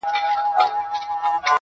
زما له زړه څخه غمونه ولاړ سي.